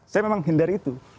saya memang hindari itu